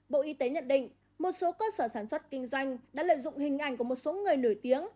bộ y tế nhận định một số cơ sở sản xuất kinh doanh đã lợi dụng hình ảnh của một số người nổi tiếng